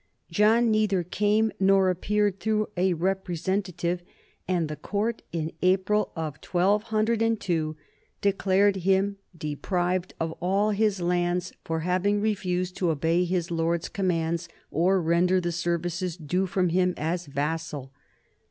John neither came nor appeared through a representative, and the court in April, 1 202, declared him deprived of all his lands for having refused to obey his lord's commands or render the services due from him as vassal.